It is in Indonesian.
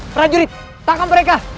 prajurit tangkap mereka